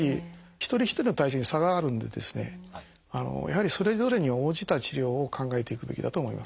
一人一人の体調に差があるんでやはりそれぞれに応じた治療を考えていくべきだと思います。